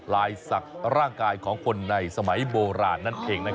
ลายศักดิ์ร่างกายของคนในสมัยโบราณนั่นเอง